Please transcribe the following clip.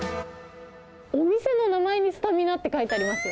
お店の名前にスタミナって書いてありますよ。